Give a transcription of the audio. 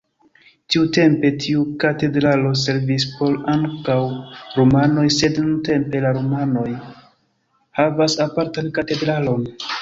Tiutempe tiu katedralo servis por ankaŭ rumanoj, sed nuntempe la rumanoj havas apartan katedralon.